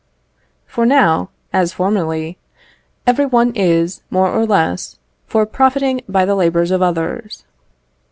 For now, as formerly, every one is, more or less, for profiting by the labours of others.